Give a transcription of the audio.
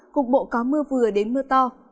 cục bộ có mưa vừa đến mưa to